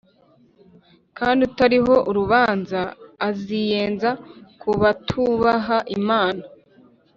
kandi utariho urubanza aziyenza ku batubaha imana